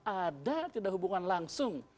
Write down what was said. ada tidak hubungan langsung